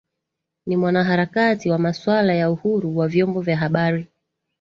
ni mwanaharakati wa maswala ya uhuru wa vyombo vya habari